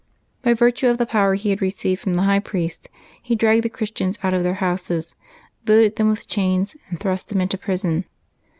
By virtue of the power he had received from the high priest, he dragged the Christians out of their houses, loaded them with chains, and thrust them into prison.